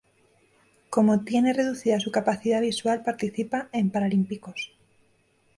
Como tiene reducida su capacidad visual participa en paralímpicos.